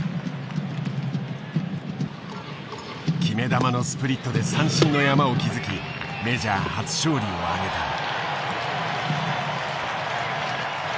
決め球のスプリットで三振の山を築きメジャー初勝利を挙げた。